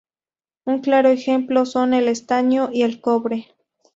Un claro ejemplo son el estaño y el cobre